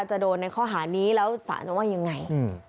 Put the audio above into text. จะโดนในข้อหานี้แล้วสารจะว่ายังไง